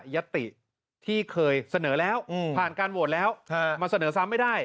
ยัตติที่เคยเสนอแล้วผ่านการโหวตแล้วมาเสนอซ้ำไม่ได้